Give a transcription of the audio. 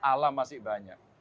alam masih banyak